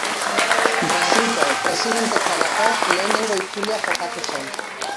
Brasilgo presidentetzarako lehenengo itzulia jokatu zen.